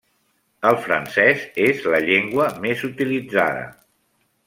El francès és la llengua més utilitzada.